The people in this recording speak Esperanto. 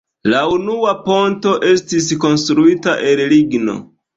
La unua ponto estis konstruita el ligno.